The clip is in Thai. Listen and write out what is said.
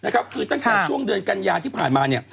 คือตั้งแต่ช่วงเดือนกันยาที่ผ่านมาเนี่ย